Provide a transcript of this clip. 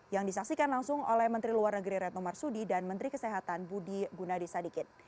yang disaksikan langsung oleh menteri luar negeri retno marsudi dan menteri kesehatan budi gunadisadikit